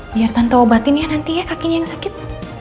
biar tante obatin ya nanti ya kakinya yang sakit